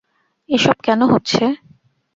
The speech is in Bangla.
এ সব কেনো হচ্ছে?